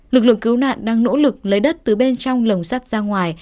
lực lượng cứu nạn đang nỗ lực lấy đất từ bên trong lồng sắt ra ngoài